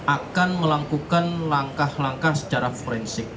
akan melakukan langkah langkah secara forensik